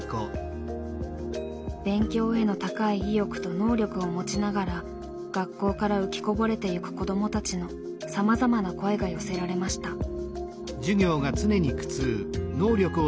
勉強への高い意欲と能力を持ちながら学校から“浮きこぼれ”てゆく子どもたちのさまざまな声が寄せられました。